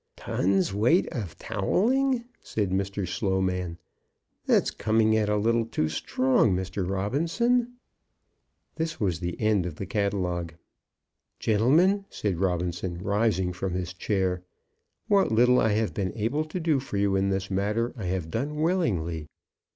"Tons weight of towelling!" said Mr. Sloman. "That's coming it a little too strong, Mr. Robinson." This was the end of the catalogue. "Gentlemen," said Robinson, rising from his chair, "what little I have been able to do for you in this matter I have done willingly.